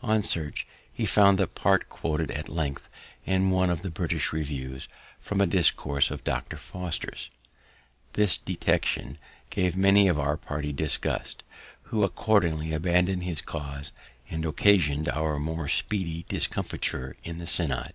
On search, he found that part quoted at length, in one of the British Reviews, from a discourse of Dr. Foster's. This detection gave many of our party disgust, who accordingly abandoned his cause, and occasion'd our more speedy discomfiture in the synod.